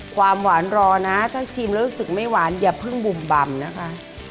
ความหวานรอนะถ้าชิมแล้วรู้สึกไม่หวานอย่าเพิ่งบุ่มบ่ำนะคะ